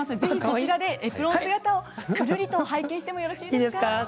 是非そちらでエプロン姿をくるりと拝見してもよろしいですか？